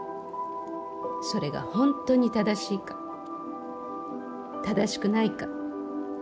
それが本当に正しいか正しくないか。